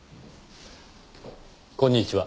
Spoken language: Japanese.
こんにちは。